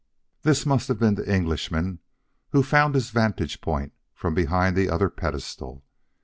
This must have been the Englishman who found his vantage point from behind the other pedestal.